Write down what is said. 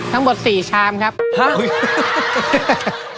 ทั้งหมด๔ชามครับฮะอุ๊ย